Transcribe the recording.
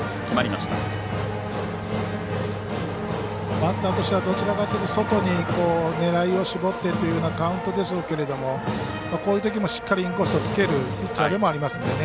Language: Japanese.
バッターとしてはどちらかというと外に狙いを絞ってというようなカウントでしょうけどもこういうときもしっかりインコースをつけるピッチャーでもありますんでね。